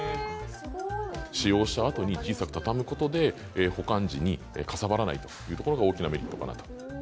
使用したあとに小さく畳むことで、保管時にかさばらないというところが大きなメリットかなと。